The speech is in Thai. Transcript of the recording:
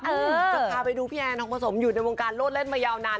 จะพาไปดูพี่แอนทองผสมอยู่ในวงการโลดเล่นมายาวนาน